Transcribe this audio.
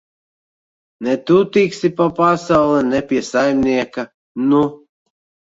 Ne tu tiksi pa pasauli, ne pie saimnieka, nu!